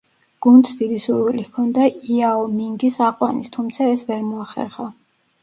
გუნდს დიდი სურვილი ჰქონდა იაო მინგის აყვანის, თუმცა ეს ვერ მოახერხა.